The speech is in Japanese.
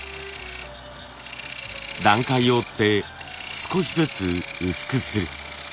段階を追って少しずつ薄くする。